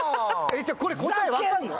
じゃあこれ答え分かんの？